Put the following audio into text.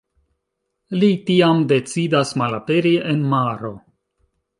Li tiam decidas malaperi en maro.